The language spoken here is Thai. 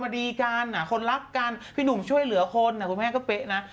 พี่หนุ่มช่วยเหลือคนคุณแม่งก็เป๊ะนะ